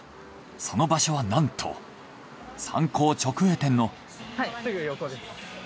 その場所はなんとサンコー直営店の。